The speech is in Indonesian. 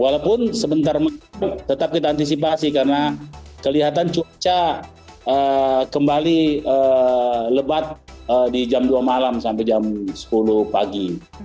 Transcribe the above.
walaupun sebentar tetap kita antisipasi karena kelihatan cuaca kembali lebat di jam dua malam sampai jam sepuluh pagi